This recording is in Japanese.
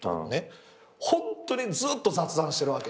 ホントにずっと雑談してるわけ。